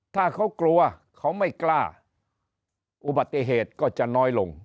ถ้าเขากลัวเขาไม่กล้าอุบัติเหตุก็จะน้อยลง